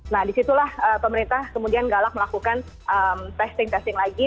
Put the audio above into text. nah disitulah pemerintah kemudian galak melakukan testing testing lagi